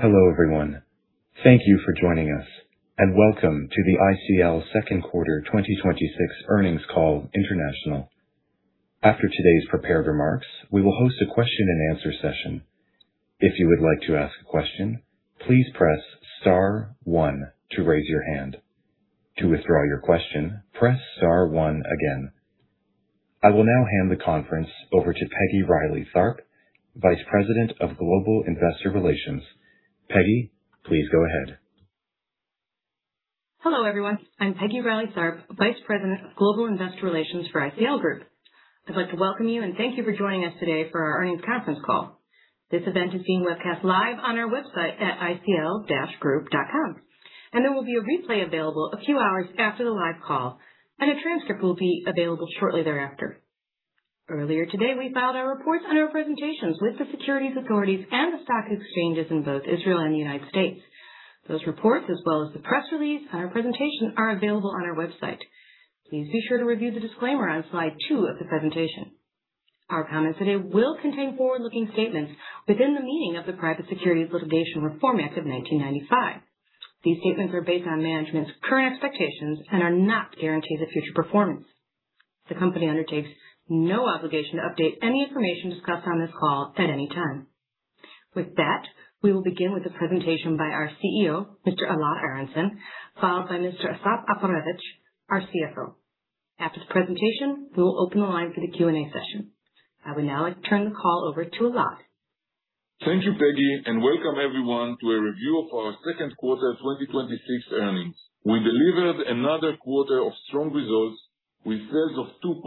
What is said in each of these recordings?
Hello, everyone. Thank you for joining us. Welcome to the ICL second quarter 2026 earnings call international. After today's prepared remarks, we will host a question and answer session. If you would like to ask a question, please press star one to raise your hand. To withdraw your question, press star one again. I will now hand the conference over to Peggy Reilly Tharp, Vice President of Global Investor Relations. Peggy, please go ahead. Hello, everyone. I'm Peggy Reilly Tharp, Vice President of Global Investor Relations for ICL Group. I'd like to welcome you and thank you for joining us today for our earnings conference call. This event is being webcast live on our website at icl-group.com. There will be a replay available a few hours after the live call, a transcript will be available shortly thereafter. Earlier today, we filed our reports on our presentations with the securities authorities and the stock exchanges in both Israel and the U.S. Those reports, as well as the press release and our presentation, are available on our website. Please be sure to review the disclaimer on slide two of the presentation. Our comments today will contain forward-looking statements within the meaning of the Private Securities Litigation Reform Act of 1995. These statements are based on management's current expectations and are not guarantees of future performance. The company undertakes no obligation to update any information discussed on this call at any time. With that, we will begin with a presentation by our CEO, Mr. Eyal Aharonson, followed by Mr. Asaf Alperovitz, our CFO. After the presentation, we will open the line for the Q&A session. I would now like to turn the call over to Eyal. Thank you, Peggy. Welcome everyone to a review of our second quarter 2026 earnings. We delivered another quarter of strong results with sales of $2.1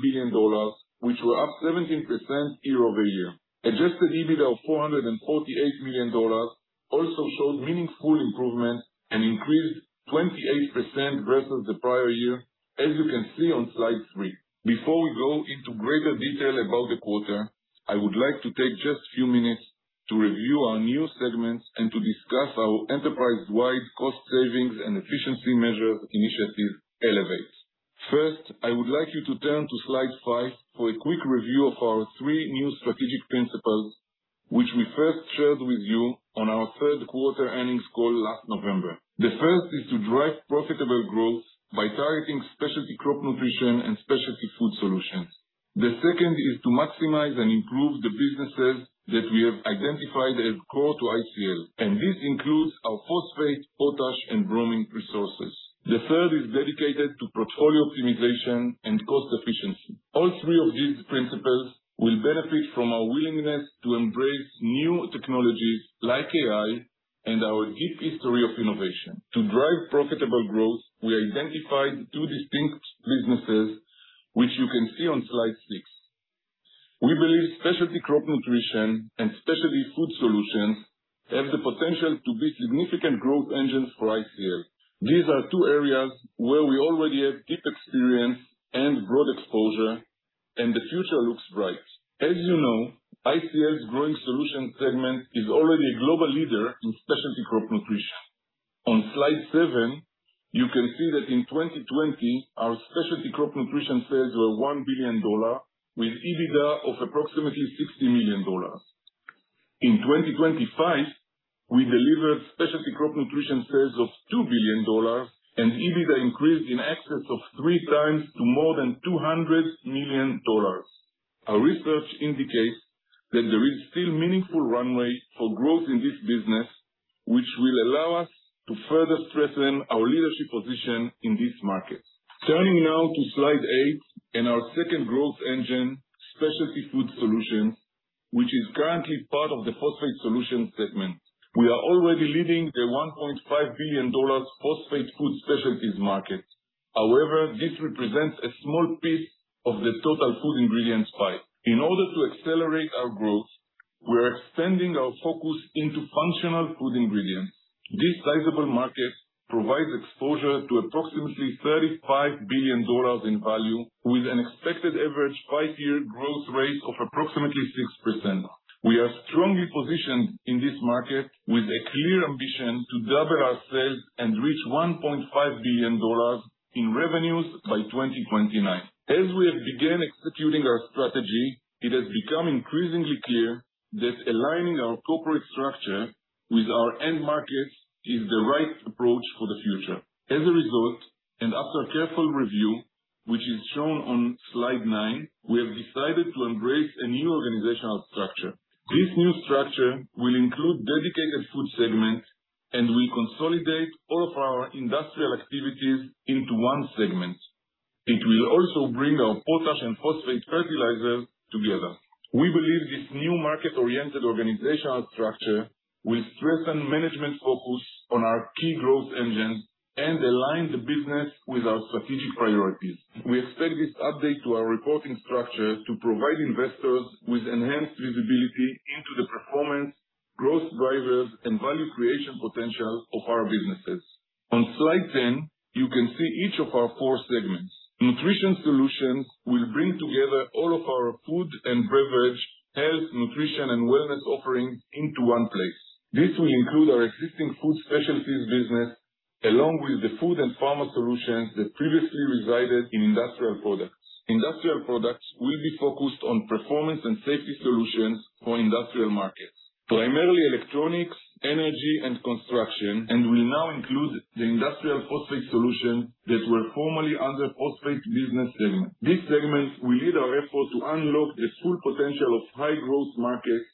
billion, which were up 17% year-over-year. Adjusted EBITDA of $448 million also showed meaningful improvement and increased 28% versus the prior year, as you can see on slide three. Before we go into greater detail about the quarter, I would like to take just a few minutes to review our new segments and to discuss our enterprise-wide cost savings and efficiency measure initiative, Elevate. First, I would like you to turn to slide five for a quick review of our three new strategic principles, which we first shared with you on our third-quarter earnings call last November. The first is to drive profitable growth by targeting Specialty Crop Nutrition and Specialty Food Solutions. The second is to maximize and improve the businesses that we have identified as core to ICL, and this includes our phosphate, potash, and bromine resources. The third is dedicated to portfolio optimization and cost efficiency. All three of these principles will benefit from our willingness to embrace new technologies like AI and our deep history of innovation. To drive profitable growth, we identified two distinct businesses, which you can see on slide six. We believe Specialty Crop Nutrition and Specialty Food Solutions have the potential to be significant growth engines for ICL. These are two areas where we already have deep experience and broad exposure, and the future looks bright. As you know, ICL's Growing Solutions segment is already a global leader in Specialty Crop Nutrition. On slide seven, you can see that in 2020, our Specialty Crop Nutrition sales were $1 billion, with EBITDA of approximately $60 million. In 2025, we delivered Specialty Crop Nutrition sales of $2 billion, and EBITDA increased in excess of three times to more than $200 million. Our research indicates that there is still meaningful runway for growth in this business, which will allow us to further strengthen our leadership position in these markets. Turning now to slide eight and our second growth engine, Specialty Food Solutions, which is currently part of the Phosphate Solutions segment. We are already leading a $1.5 billion phosphate food specialties market. However, this represents a small piece of the total food ingredients pie. In order to accelerate our growth, we are extending our focus into functional food ingredients. This sizable market provides exposure to approximately $35 billion in value, with an expected average five-year growth rate of approximately 6%. We are strongly positioned in this market with a clear ambition to double our sales and reach $1.5 billion in revenues by 2029. As we have begun executing our strategy, it has become increasingly clear that aligning our corporate structure with our end markets is the right approach for the future. As a result, and after a careful review, which is shown on slide nine, we have decided to embrace a new organizational structure. This new structure will include dedicated food segments and will consolidate all of our industrial activities into one segment. It will also bring our potash and phosphate fertilizers together. We believe this new market-oriented organizational structure will strengthen management's focus on our key growth engines and align the business with our strategic priorities. We expect this update to our reporting structure to provide investors with enhanced visibility into the performance, growth drivers, and value creation potential of our businesses. On slide 10, you can see each of our four segments. Nutrition Solutions will bring together all of our food and beverage, health, nutrition, and wellness offerings into one place. This will include our existing food specialties business along with the food and pharma solutions that previously resided in Industrial Products. Industrial Products will be focused on performance and safety solutions for industrial markets, primarily electronics, energy, and construction, and will now include the industrial phosphate solutions that were formerly under Phosphate Solutions segment. This segment will lead our effort to unlock the full potential of high-growth markets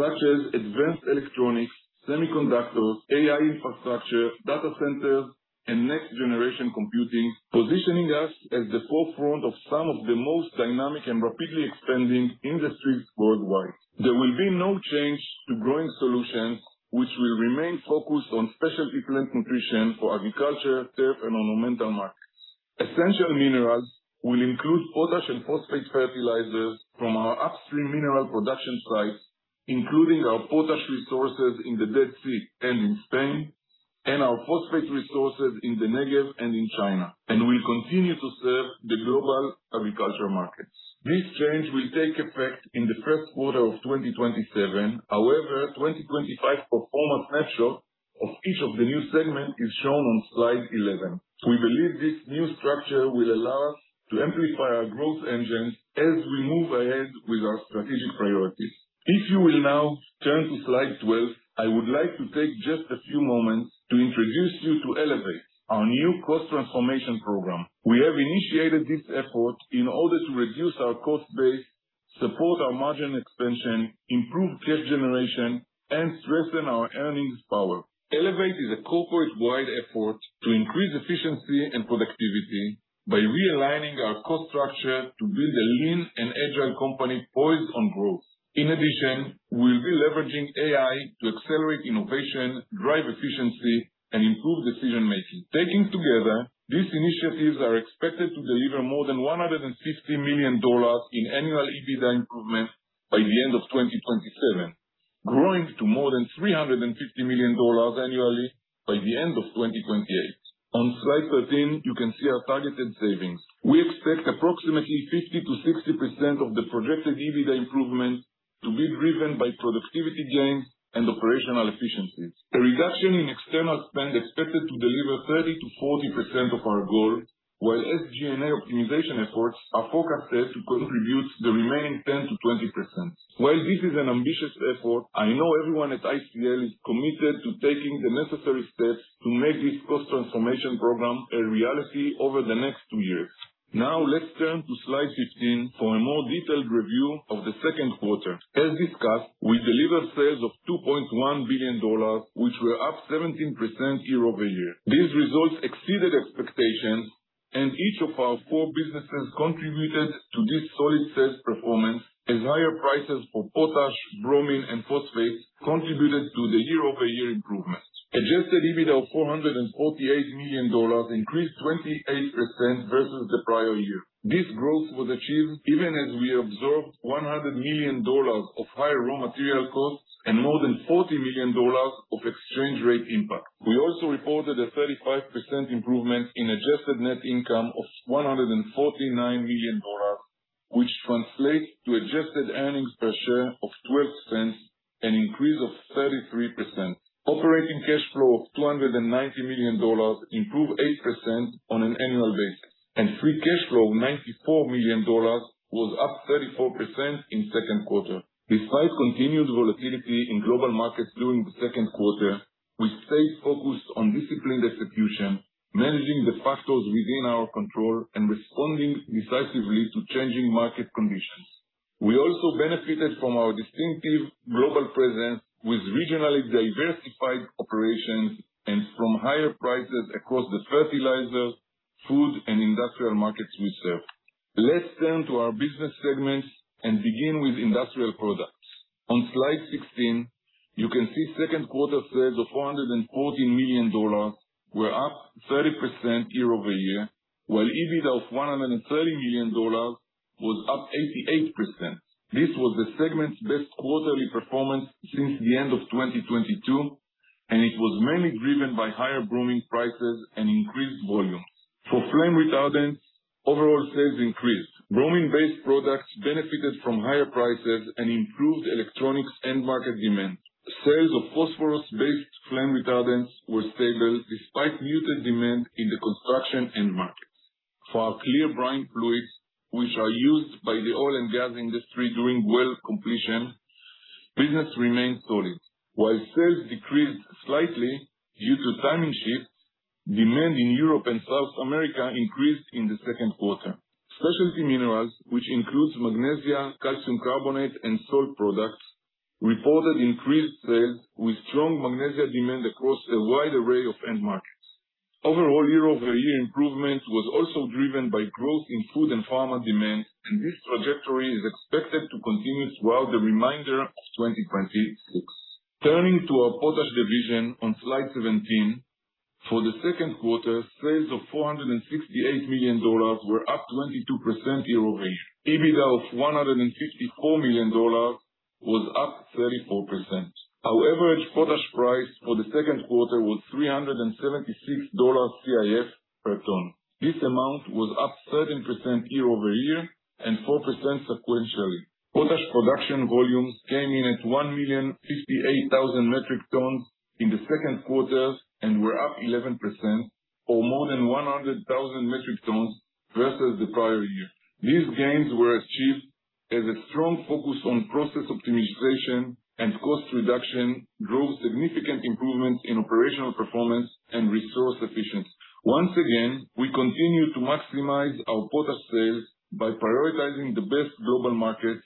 such as advanced electronics, semiconductors, AI infrastructure, data centers, and next-generation computing, positioning us at the forefront of some of the most dynamic and rapidly expanding industries worldwide. There will be no change to Growing Solutions, which will remain focused on specialty plant nutrition for agriculture, turf, and ornamental markets. Essential Minerals will include potash and phosphate fertilizers from our upstream mineral production sites, including our potash resources in the Dead Sea and in Spain, and our phosphate resources in the Negev and in China, and will continue to serve the global agriculture markets. This change will take effect in the first quarter of 2027. However, 2025 pro forma snapshot of each of the new segments is shown on slide 11. We believe this new structure will allow us to amplify our growth engines as we move ahead with our strategic priorities. If you will now turn to slide 12, I would like to take just a few moments to introduce you to Elevate, our new cost transformation program. We have initiated this effort in order to reduce our cost base, support our margin expansion, improve cash generation, and strengthen our earnings power. Elevate is a corporate-wide effort to increase efficiency and productivity by realigning our cost structure to build a lean and agile company poised on growth. In addition, we'll be leveraging AI to accelerate innovation, drive efficiency, and improve decision-making. Taken together, these initiatives are expected to deliver more than $150 million in annual EBITDA improvements by the end of 2027, growing to more than $350 million annually by the end of 2028. On slide 13, you can see our targeted savings. We expect approximately 50%-60% of the projected EBITDA improvement to be driven by productivity gains and operational efficiencies. A reduction in external spend expected to deliver 30%-40% of our goal, while SG&A optimization efforts are forecasted to contribute the remaining 10%-20%. While this is an ambitious effort, I know everyone at ICL is committed to taking the necessary steps to make this cost transformation program a reality over the next two years. Now, let's turn to slide 15 for a more detailed review of the second quarter. As discussed, we delivered sales of $2.1 billion, which were up 17% year-over-year. These results exceeded expectations, and each of our four businesses contributed to this solid sales performance, as higher prices for potash, bromine, and phosphate contributed to the year-over-year improvement. Adjusted EBITDA of $448 million increased 28% versus the prior year. This growth was achieved even as we observed $100 million of higher raw material costs and more than $40 million of exchange rate impact. We also reported a 35% improvement in adjusted net income of $149 million, which translates to adjusted earnings per share of $0.12, an increase of 33%. Operating cash flow of $290 million improved 8% on an annual basis, and free cash flow of $94 million was up 34% in second quarter. Despite continued volatility in global markets during the second quarter, we stayed focused on disciplined execution, managing the factors within our control, and responding decisively to changing market conditions. We also benefited from our distinctive global presence with regionally diversified operations and from higher prices across the fertilizer, food, and industrial markets we serve. Let's turn to our business segments and begin with Industrial Products. On slide 16, you can see second quarter sales of $440 million were up 30% year-over-year, while EBITDA of $130 million was up 88%. This was the segment's best quarterly performance since the end of 2022, and it was mainly driven by higher bromine prices and increased volumes. For flame retardants, overall sales increased. Bromine-based products benefited from higher prices and improved electronics end market demand. Sales of phosphorus-based flame retardants were stable despite muted demand in the construction end markets. For our clear brine fluids, which are used by the oil and gas industry during well completion, business remained solid. While sales decreased slightly due to timing shifts, demand in Europe and South America increased in the second quarter. Specialty minerals, which includes magnesia, calcium carbonate, and salt products, reported increased sales with strong magnesia demand across a wide array of end markets. Overall year-over-year improvement was also driven by growth in food and pharma demand, and this trajectory is expected to continue throughout the remainder of 2026. Turning to our Potash division on slide 17. For the second quarter, sales of $468 million were up 22% year-over-year. EBITDA of $154 million was up 34%. Our average potash price for the second quarter was $376 CIF per ton. This amount was up 13% year-over-year and 4% sequentially. Potash production volumes came in at 1,058,000 metric tons in the second quarter and were up 11%, or more than 100,000 metric tons versus the prior year. These gains were achieved as a strong focus on process optimization and cost reduction drove significant improvements in operational performance and resource efficiency. Once again, we continue to maximize our potash sales by prioritizing the best global markets,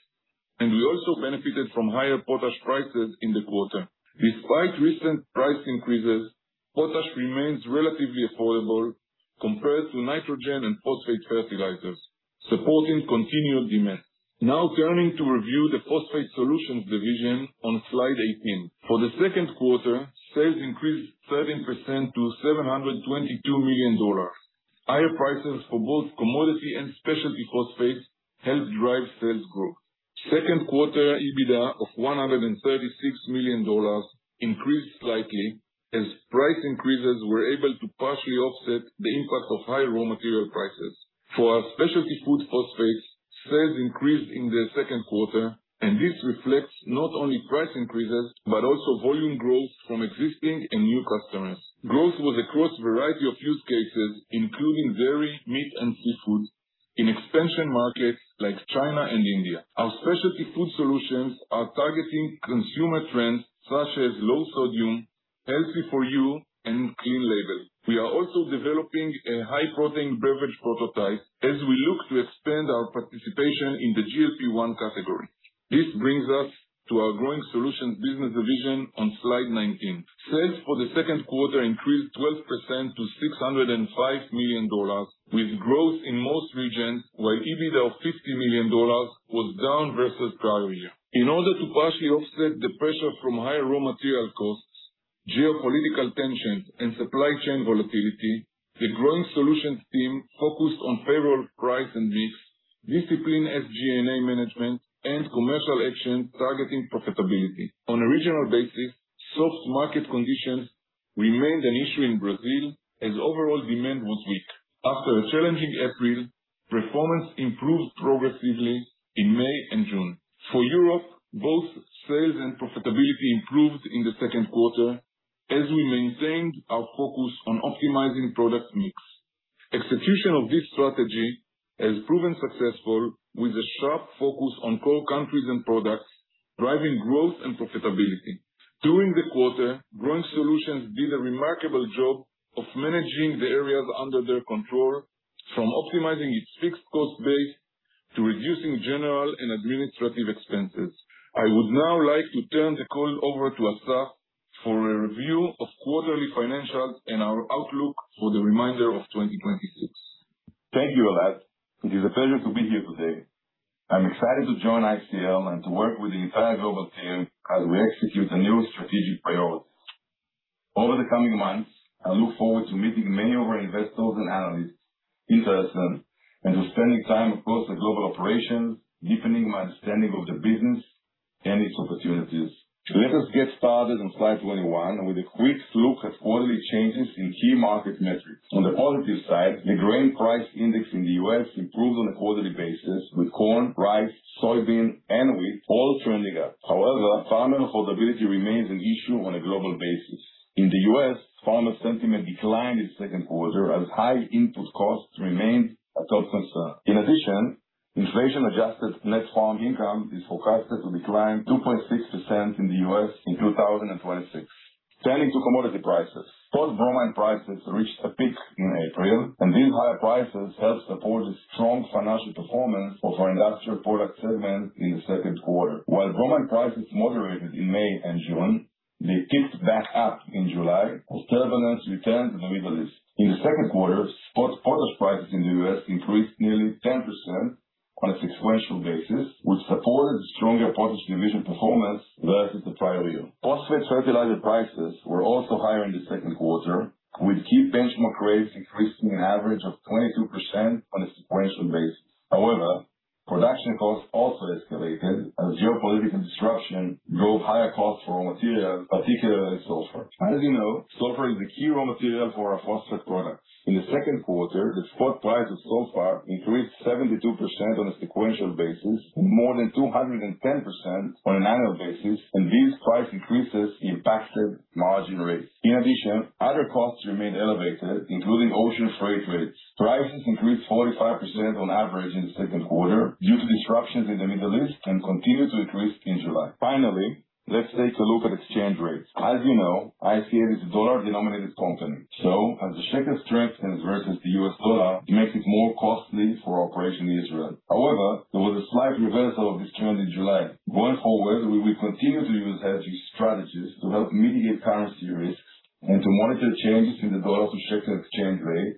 and we also benefited from higher potash prices in the quarter. Despite recent price increases, potash remains relatively affordable compared to nitrogen and phosphate fertilizers, supporting continued demand. Turning to review the Phosphate Solutions division on slide 18. For the second quarter, sales increased 13% to $722 million. Higher prices for both commodity and specialty phosphates helped drive sales growth. Second quarter EBITDA of $136 million increased slightly as price increases were able to partially offset the impact of high raw material prices. For our specialty food phosphate, sales increased in the second quarter, and this reflects not only price increases, but also volume growth from existing and new customers. Growth was across a variety of use cases, including dairy, meat, and seafood in expansion markets like China and India. Our Specialty Food Solutions are targeting consumer trends such as low sodium, healthy for you, and clean label. We are also developing a high-protein beverage prototype as we look to expand our participation in the GLP-1 category. This brings us to our Growing Solutions business division on slide 19. Sales for the second quarter increased 12% to $605 million, with growth in most regions, while EBITDA of $50 million was down versus prior year. In order to partially offset the pressure from higher raw material costs, geopolitical tensions, and supply chain volatility, the Growing Solutions team focused on favorable price and mix, disciplined SG&A management, and commercial action targeting profitability. On a regional basis, soft market conditions remained an issue in Brazil as overall demand was weak. After a challenging April, performance improved progressively in May and June. For Europe, both sales and profitability improved in the second quarter as we maintained our focus on optimizing product mix. Execution of this strategy has proven successful with a sharp focus on core countries and products, driving growth and profitability. During the quarter, Growing Solutions did a remarkable job of managing the areas under their control, from optimizing its fixed cost base to reducing general and administrative expenses. I would now like to turn the call over to Asaf for a review of quarterly financials and our outlook for the remainder of 2026. Thank you, Eyal. It is a pleasure to be here today. I'm excited to join ICL and to work with the entire global team as we execute the new strategic priorities. Over the coming months, I look forward to meeting many of our investors and analysts in person, and to spending time across the global operations, deepening my understanding of the business and its opportunities. Let us get started on slide 21 with a quick look at quarterly changes in key market metrics. On the positive side, the grain price index in the U.S. improved on a quarterly basis, with corn, rice, soybean, and wheat all trending up. However, farmer affordability remains an issue on a global basis. In the U.S., farmer sentiment declined in second quarter as high input costs remained a top concern. Inflation-adjusted net farm income is forecasted to decline 2.6% in the U.S. in 2026. Turning to commodity prices. Spot bromine prices reached a peak in April, and these higher prices helped support the strong financial performance of our Industrial Products segment in the second quarter. While bromine prices moderated in May and June, they ticked back up in July as turbulence returned to the Middle East. In the second quarter, spot potash prices in the U.S. increased nearly 10% on a sequential basis, which supported the stronger Potash division performance versus the prior year. Phosphate fertilizer prices were also higher in the second quarter, with key benchmark rates increasing an average of 22% on a sequential basis. However, production costs also escalated as geopolitical disruption drove higher costs for raw materials, particularly sulfur. As you know, sulfur is the key raw material for our phosphate products. The spot price of sulfur increased 72% on a sequential basis, and more than 210% on an annual basis. These price increases impacted margin rates. Other costs remained elevated, including ocean freight rates. Prices increased 45% on average in the second quarter due to disruptions in the Middle East and continued to increase in July. Let's take a look at exchange rates. As you know, ICL is a dollar-denominated company, so as the shekel strengthens versus the U.S. dollar, it makes it more costly for operation Israel. However, there was a slight reversal of this trend in July. Going forward, we will continue to use hedging strategies to help mitigate currency risks and to monitor changes in the dollar to shekel exchange rate,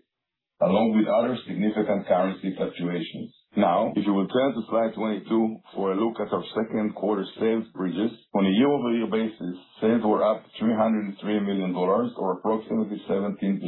along with other significant currency fluctuations. if you will turn to slide 22 for a look at our second quarter sales bridges. On a year-over-year basis, sales were up $303 million, or approximately 17%,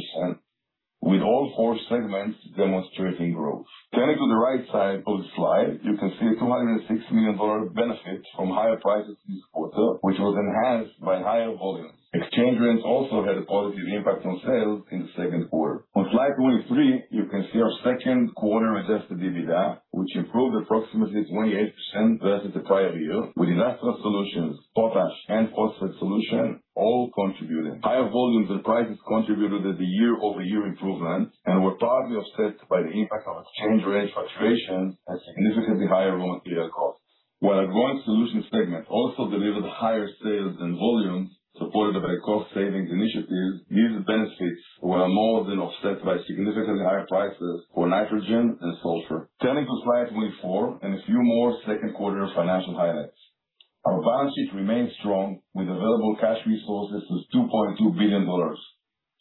with all four segments demonstrating growth. Turning to the right side of the slide, you can see a $206 million benefit from higher prices this quarter, which was enhanced by higher volumes. Exchange rates also had a positive impact on sales in the second quarter. On slide 23, you can see our second quarter adjusted EBITDA, which improved approximately 28% versus the prior year, with Industrial Products, Potash and Phosphate Solutions all contributing. Higher volumes and prices contributed to the year-over-year improvement and were partly offset by the impact of exchange rate fluctuations and significantly higher raw material costs. Our Growing Solutions segment also delivered higher sales and volumes supported by the cost-savings initiatives, these benefits were more than offset by significantly higher prices for nitrogen and sulfur. Turning to Slide 24 and a few more second quarter financial highlights. Our balance sheet remains strong with available cash resources of $2.2 billion.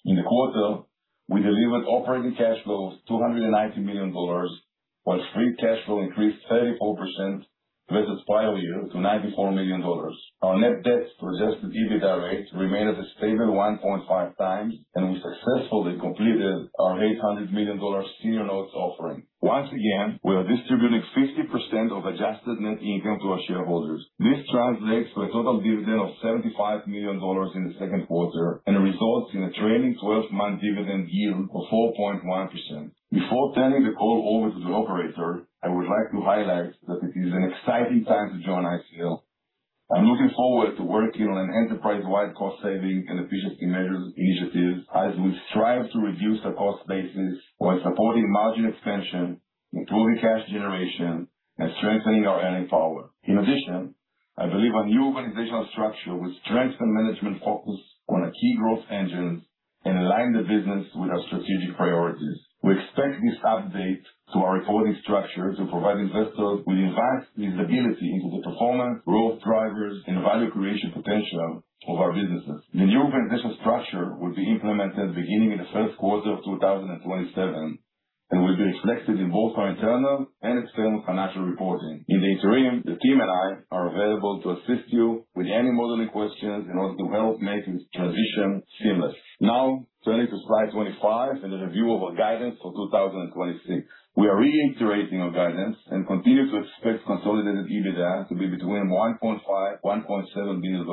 In the quarter, we delivered operating cash flow of $290 million, while free cash flow increased 34% versus prior year to $94 million. Our net debt to adjusted EBITDA rate remained at a stable 1.5x, and we successfully completed our $800 million senior notes offering. Once again, we are distributing 50% of adjusted net income to our shareholders. This translates to a total dividend of $75 million in the second quarter and results in a trailing 12-month dividend yield of 4.1%. Before turning the call over to the operator, I would like to highlight that it is an exciting time to join ICL. I'm looking forward to working on an enterprise-wide cost-saving and efficiency measures initiatives as we strive to reduce our cost basis while supporting margin expansion, improving cash generation, and strengthening our earning power. In addition, I believe our new organizational structure will strengthen management focus on our key growth engines and align the business with our strategic priorities. We expect this update to our reporting structure to provide investors with enhanced visibility into the performance, growth drivers, and value creation potential of our businesses. The new organizational structure will be implemented beginning in the first quarter of 2027 and will be reflected in both our internal and external financial reporting. In the interim, the team and I are available to assist you with any modeling questions in order to help make this transition seamless. Turning to Slide 25 and a review of our guidance for 2026. We are reiterating our guidance and continue to expect consolidated EBITDA to be between $1.5 billion-$1.7 billion.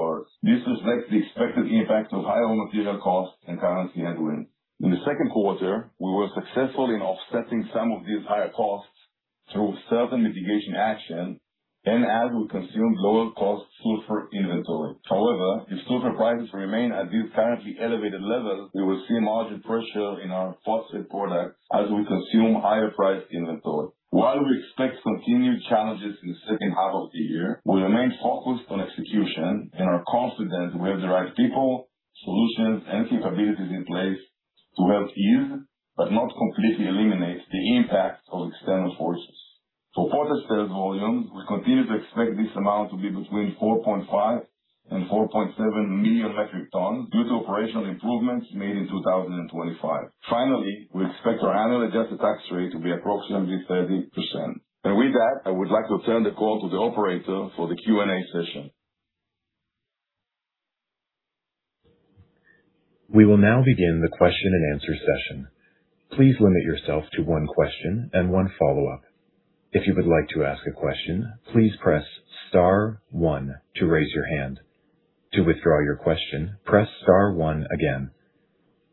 This reflects the expected impact of higher raw material costs and currency headwinds. In the second quarter, we were successful in offsetting some of these higher costs through certain mitigation action and as we consumed lower-cost sulfur inventory. If sulfur prices remain at these currently elevated levels, we will see margin pressure in our phosphate products as we consume higher-priced inventory. While we expect continued challenges in the second half of the year, we remain focused on execution and are confident we have the right people, solutions, and capabilities in place to help ease, but not completely eliminate, the impact of external forces. For phosphate sales volume, we continue to expect this amount to be between 4.5 and 4.7 million metric tons due to operational improvements made in 2025. Finally, we expect our annual adjusted tax rate to be approximately 30%. With that, I would like to turn the call to the operator for the Q&A session. We will now begin the question-and-answer session. Please limit yourself to one question and one follow-up. If you would like to ask a question, please press star one to raise your hand. To withdraw your question, press star one again.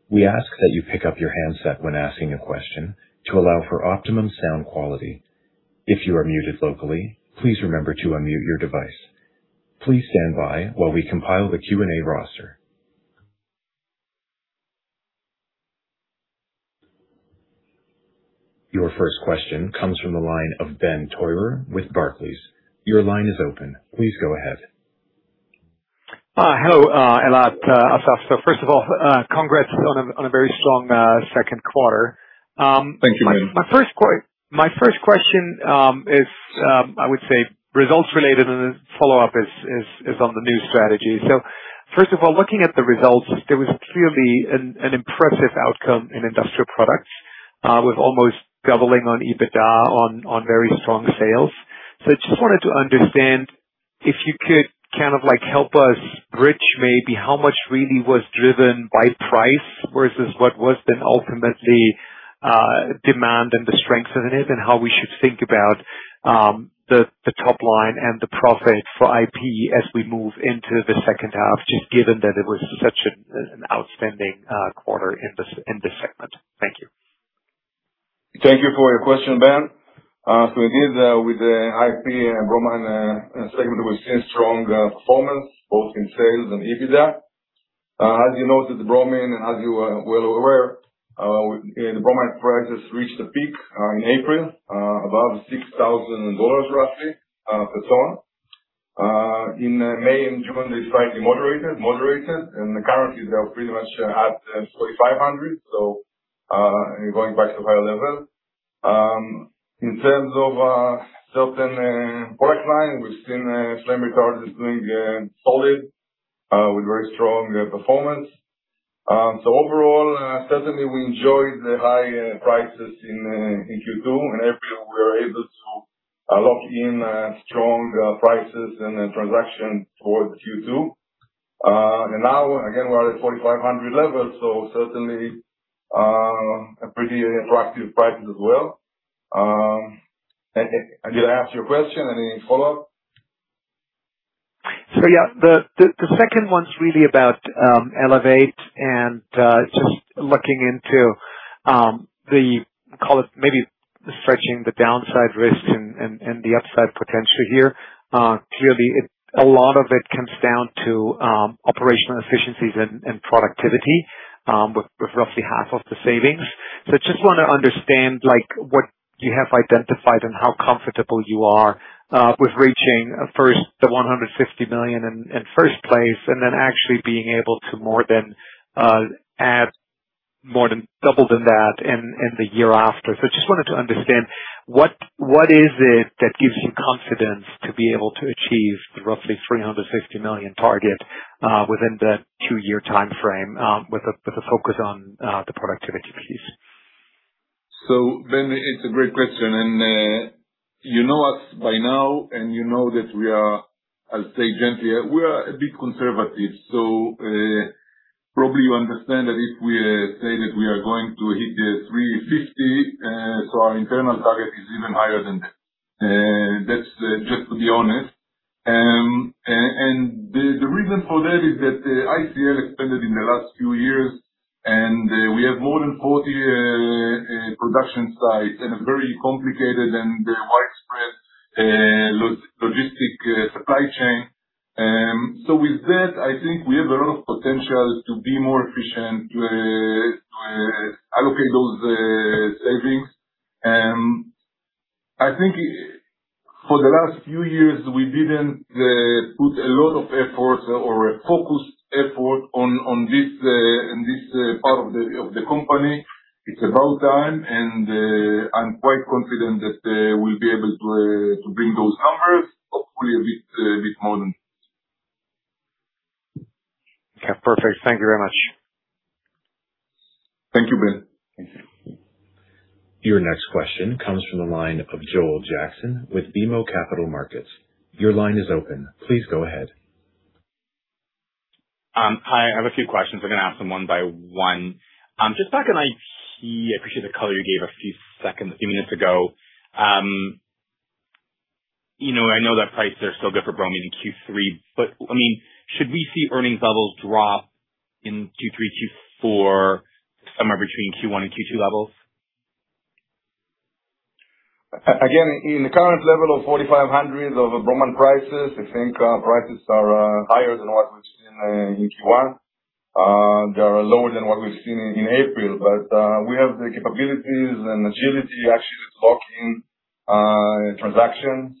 We ask that you pick up your handset when asking a question to allow for optimum sound quality. If you are muted locally, please remember to unmute your device. Please stand by while we compile the Q&A roster. Your first question comes from the line of Ben Theurer with Barclays. Your line is open. Please go ahead. Hello, Eyal, Asaf. First of all, congrats on a very strong second quarter. Thank you, Ben. My first question is, I would say results related, and the follow-up is on the new strategy. First of all, looking at the results, there was clearly an impressive outcome in Industrial Products, with almost doubling on EBITDA on very strong sales. I just wanted to understand if you could kind of help us bridge maybe how much really was driven by price versus what was then ultimately demand and the strength in it, and how we should think about the top line and the profit for IP as we move into the second half, just given that it was such an outstanding quarter in this segment. Thank you. Thank you for your question, Ben Theurer. Indeed, with the IP and bromine segment, we've seen strong performance both in sales and EBITDA. As you noted, the bromine, as you are well aware, the bromine prices reached a peak in April, above $6,000 roughly per ton. In May and June, they slightly moderated, and currently, they are pretty much at $4,500, going back to higher level. In terms of certain product line, we've seen flame retardants doing solid with very strong performance. Overall, certainly we enjoyed the high prices in Q2 and April. We were able to lock in strong prices and transaction towards Q2. And now again, we're at $4,500 level, certainly a pretty attractive price as well. Did I answer your question? Any follow-up? Yeah. The second one's really about Elevate and just looking into the, call it maybe stretching the downside risk and the upside potential here. Clearly, a lot of it comes down to operational efficiencies and productivity, with roughly half of the savings. I just want to understand what you have identified and how comfortable you are with reaching first the $150 million in first place, and then actually being able to add more than double than that in the year after. I just wanted to understand what is it that gives you confidence to be able to achieve the roughly $350 million target within that two-year timeframe, with a focus on the productivity piece? Ben, it's a great question, and you know us by now, and you know that we are, I'll say gently, we are a bit conservative. Probably you understand that if we say that we are going to hit the $350 million, our internal target is even higher than that. That's just to be honest. And the reason for that is that ICL expanded in the last few years, and we have more than 40 production sites and a very complicated and widespread logistic supply chain. With that, I think we have a lot of potential to be more efficient to allocate those savings. I think for the last few years, we didn't put a lot of effort or a focused effort on this part of the company. It's about time, and I'm quite confident that we'll be able to bring those numbers, hopefully a bit more than. Okay, perfect. Thank you very much. Thank you, Ben. Your next question comes from the line of Joel Jackson with BMO Capital Markets. Your line is open. Please go ahead. Hi, I have a few questions. I'm going to ask them one-by-one. Just back on IP. I appreciate the color you gave a few minutes ago. I know that prices are still good for bromine in Q3. Should we see earnings levels drop in Q3, Q4, somewhere between Q1 and Q2 levels? In the current level of $4,500 of the bromine prices, I think our prices are higher than what we've seen in Q1. They are lower than what we've seen in April. We have the capabilities and agility actually to lock in transactions.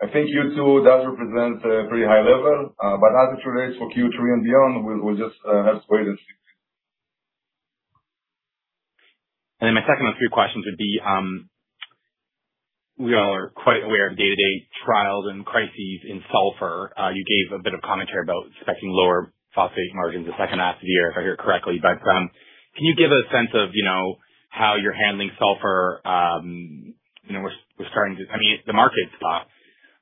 I think Q2 does represent a pretty high level. As it relates for Q3 and beyond, we'll just have to wait and see. My second of three questions would be, we all are quite aware of day-to-day trials and crises in sulfur. You gave a bit of commentary about expecting lower phosphate margins the second half of the year, if I hear correctly. Can you give a sense of how you're handling sulfur? The market,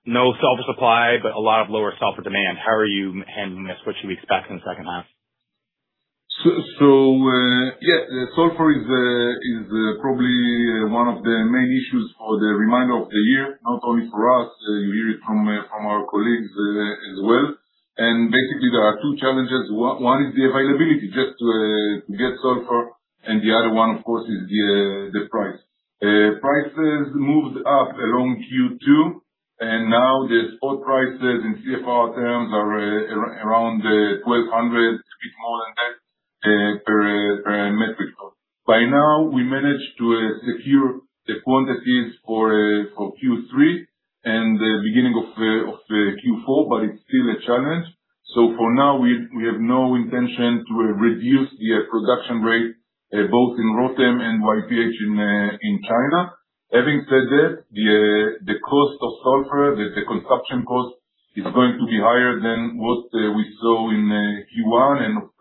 no sulfur supply, but a lot of lower sulfur demand. How are you handling this? What should we expect in the second half? Sulfur is probably one of the main issues for the remainder of the year, not only for us, you hear it from our colleagues as well. Basically, there are two challenges. One is the availability just to get sulfur, and the other one, of course, is the price. Prices moved up around Q2, and now the spot prices in CFR terms are around $1,200, a bit more than that, per metric ton. By now, we managed to secure the quantities for Q3 and the beginning of Q4, but it's still a challenge. For now, we have no intention to reduce the production rate, both in Rotem and YPH in China. Having said that, the cost of sulfur, the consumption cost, is going to be higher than what we saw in Q1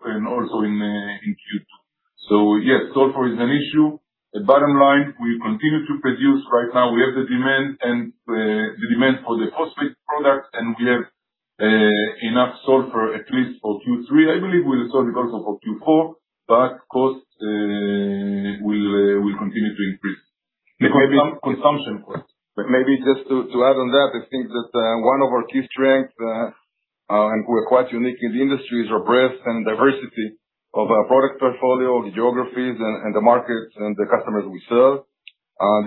and also in Q2. Yes, sulfur is an issue. The bottom line, we continue to produce. Right now we have the demand for the phosphate product, and we have enough sulfur at least for Q3. I believe we will solve it also for Q4, but costs will continue to increase. Consumption cost. Maybe just to add on that, I think that one of our key strengths, and we're quite unique in the industry, is our breadth and diversity of our product portfolio, the geographies and the markets and the customers we serve.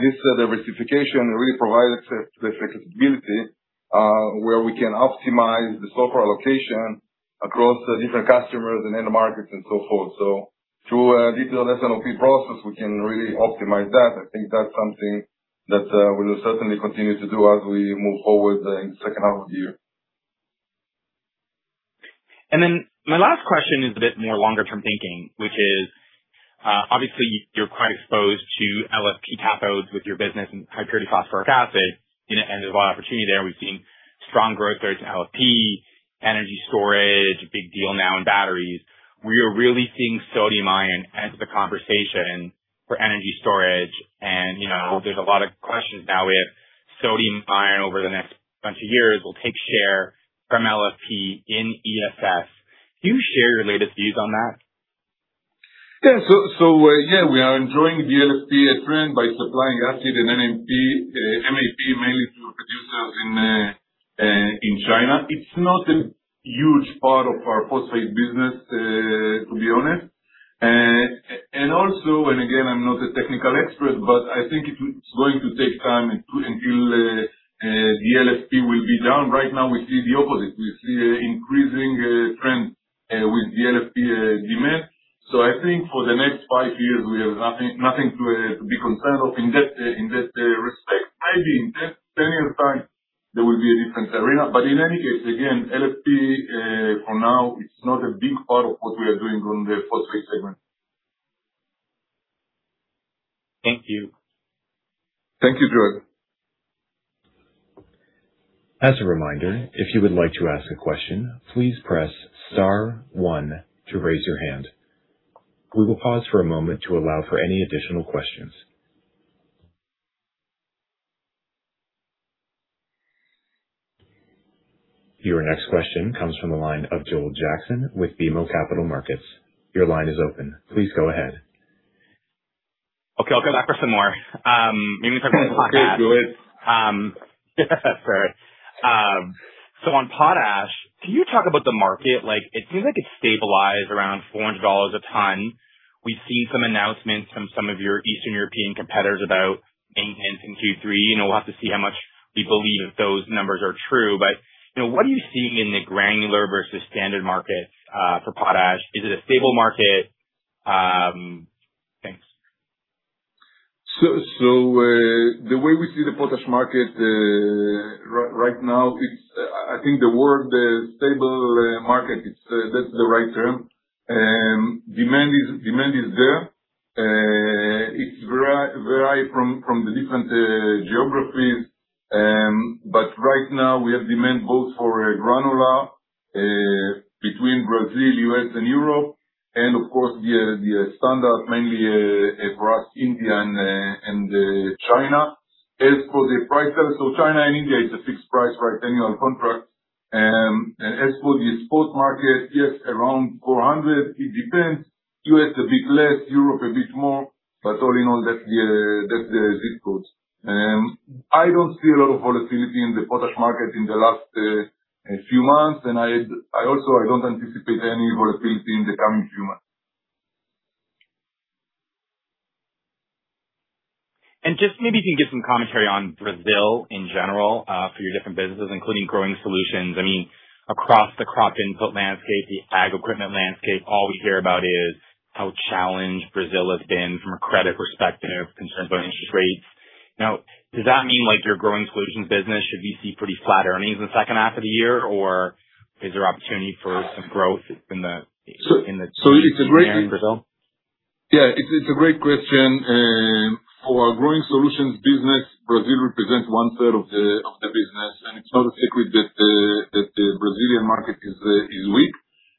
This diversification really provides the flexibility where we can optimize the sulfur allocation across different customers and end markets and so forth. To a detailed S&OP process, we can really optimize that. I think that's something that we will certainly continue to do as we move forward in the second half of the year. My last question is a bit more longer-term thinking, which is, obviously you're quite exposed to LFP cathodes with your business and high purity phosphoric acid, and there's a lot of opportunity there. We've seen strong growth rates in LFP, energy storage, a big deal now in batteries. We are really seeing sodium-ion enter the conversation for energy storage, and there's a lot of questions now if sodium-ion over the next bunch of years will take share from LFP in ESS. Can you share your latest views on that? Yeah, we are enjoying the LFP trend by supplying acid and MAP mainly to producers in China. It's not a huge part of our Phosphate segment, to be honest. Also, again, I'm not a technical expert, but I think it's going to take time until the LFP will be down. Right now, we see the opposite. We see an increasing trend with the LFP demand. I think for the next five years, we have nothing to be concerned of in that respect. Maybe in 10, 20 years' time, there will be a different arena. In any case, again, LFP, for now, it's not a big part of what we are doing on the Phosphate segment. Thank you. Thank you, Joel. As a reminder, if you would like to ask a question, please press star one to raise your hand. We will pause for a moment to allow for any additional questions. Your next question comes from the line of Joel Jackson with BMO Capital Markets. Your line is open. Please go ahead. Okay, I'll go back for some more. Great, Joel. Sorry. On Potash, can you talk about the market? It seems like it's stabilized around $400 a ton. We've seen some announcements from some of your Eastern European competitors about maintenance in Q3. We'll have to see how much we believe that those numbers are true, but what are you seeing in the granular versus standard markets, for Potash? Is it a stable market? Thanks. The way we see the Potash market, right now, I think the word stable market, that's the right term. Demand is there. It vary from the different geographies, but right now we have demand both for granular, between Brazil, U.S., and Europe, and of course, the standard, mainly across India and China. As for the prices, China and India, it's a fixed price, right, annual contract. As for the spot market, yes, around $400. It depends. U.S., a bit less, Europe, a bit more. All in all, that's the zip code. I don't see a lot of volatility in the Potash market in the last few months, and I also don't anticipate any volatility in the coming few months. Just maybe if you can give some commentary on Brazil in general, for your different businesses, including Growing Solutions. Across the crop input landscape, the ag equipment landscape, all we hear about is how challenged Brazil has been from a credit perspective, concerns about interest rates. Does that mean, like your Growing Solutions business, should we see pretty flat earnings the second half of the year, or is there opportunity for some growth in the- So it's a great- Brazil? Yeah, it's a great question. For our Growing Solutions business, Brazil represents one-third of the business, it's not a secret that the Brazilian market is weak.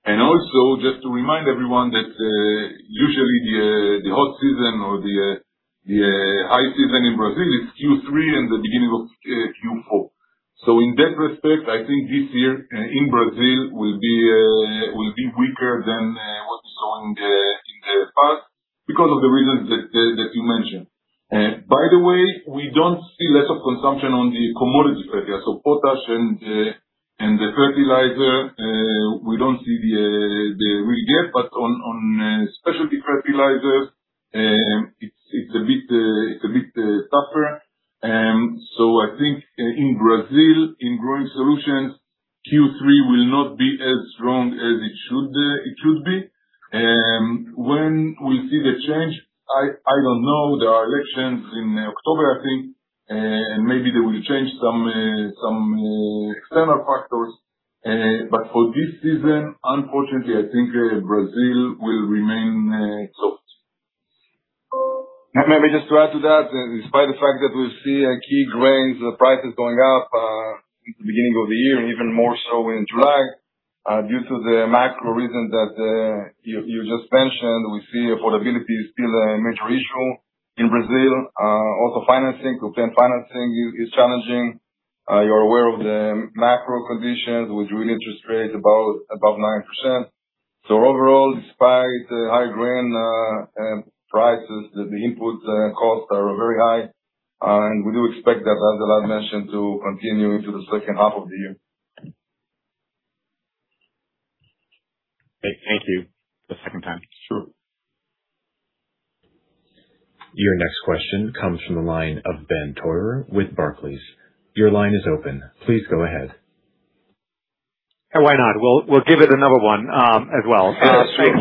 Also, just to remind everyone that, usually, the hot season or the high season in Brazil is Q3 and the beginning of Q4. In that respect, I think this year in Brazil will be weaker than what we saw in the past because of the reasons that you mentioned. By the way, we don't see less of consumption on the commodity side. Yeah, potash and the fertilizer, we don't see the rigor, but on specialty fertilizers, it's a bit tougher. I think in Brazil, in Growing Solutions, Q3 will not be as strong as it should be. When we'll see the change, I don't know. There are elections in October, I think, maybe they will change some external factors. For this season, unfortunately, I think Brazil will remain soft. Maybe just to add to that, despite the fact that we see key grains prices going up, in the beginning of the year, even more so in July, due to the macro reasons that you just mentioned, we see affordability is still a major issue in Brazil. Also financing, crop land financing is challenging. You're aware of the macro conditions with real interest rates above 9%. Overall, despite high grain prices, the input costs are very high, we do expect that, as Eyal mentioned, to continue into the second half of the year. Thank you the second time. Sure. Your next question comes from the line of Ben Theurer with Barclays. Your line is open. Please go ahead. Why not? We'll give it another one, as well. Sweet.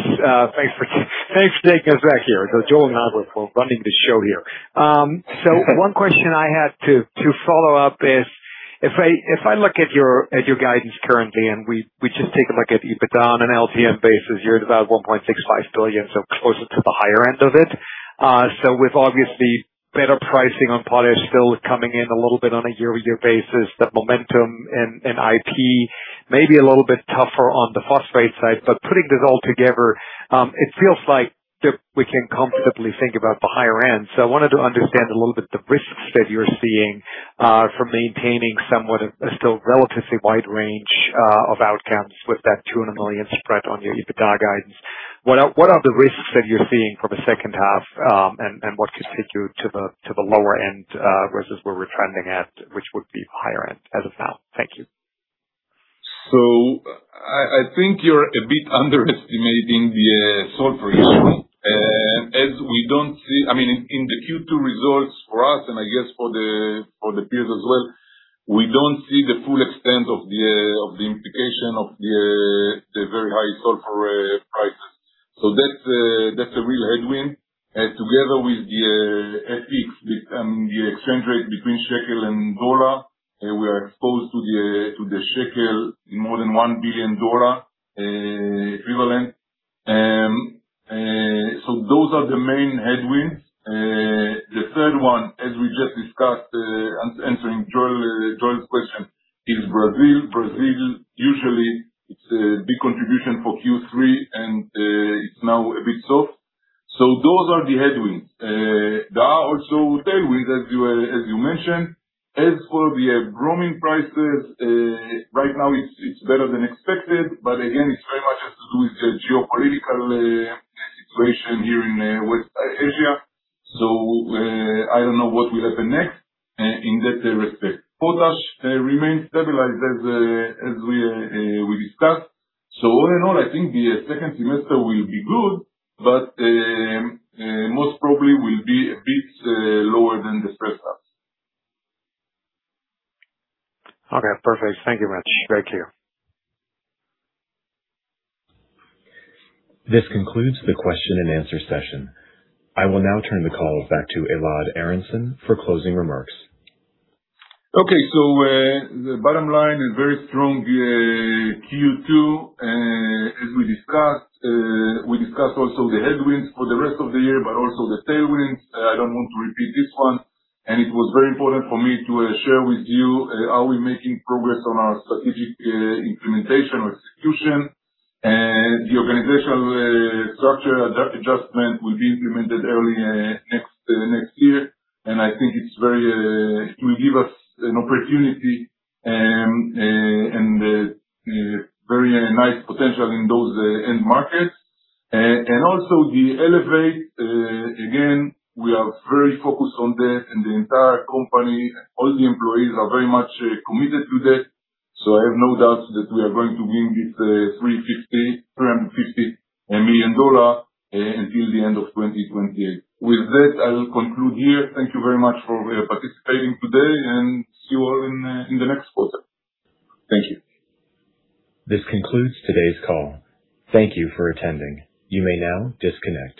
Thanks for taking us back here. Joel and I were running the show here. One question I had to follow up is, if I look at your guidance currently, and we just take a look at EBITDA on an LTM basis, you're about $1.65 billion, so closer to the higher end of it. With obviously better pricing on Potash still coming in a little bit on a year-over-year basis, the momentum in IP may be a little bit tougher on the phosphate side. Putting this all together, it feels like that we can comfortably think about the higher end. I wanted to understand a little bit the risks that you're seeing from maintaining somewhat a still relatively wide range of outcomes with that $200 million spread on your EBITDA guidance. What are the risks that you're seeing for the second half, what could take you to the lower end, versus where we're trending at, which would be higher end as of now? Thank you. I think you're a bit underestimating. We don't see in the Q2 results for us, and I guess for the peers as well, we don't see the full extent of the implication of the very high sulfur prices. That's a real headwind, together with the FX, the exchange rate between shekel and dollar. We are exposed to the shekel in more than $1 billion equivalent. Those are the main headwinds. The third one, as we just discussed, answering Joel's question, is Brazil. Brazil, usually it's a big contribution for Q3, and it's now a bit soft. Those are the headwinds. There are also tailwinds, as you mentioned. As for the bromine prices, right now it's better than expected, but again, it very much has to do with the geopolitical situation here in West Asia. I don't know what will happen next in that respect. Potash remains stabilized, as we discussed. All in all, I think the second semester will be good, but most probably will be a bit lower than the first half. Okay, perfect. Thank you much. Thank you. This concludes the question and answer session. I will now turn the call back to Eyal Aharonson for closing remarks. Okay. The bottom line is very strong Q2, as we discussed. We discussed also the headwinds for the rest of the year, but also the tailwinds. I don't want to repeat this one. It was very important for me to share with you how we're making progress on our strategic implementation or execution. The organizational structure adjustment will be implemented early next year, and I think it will give us an opportunity and very nice potential in those end markets. Also the Elevate, again, we are very focused on that in the entire company. All the employees are very much committed to that, so I have no doubt that we are going to win this $350 million until the end of 2028. With that, I will conclude here. Thank you very much for participating today, and see you all in the next quarter. Thank you. This concludes today's call. Thank you for attending. You may now disconnect.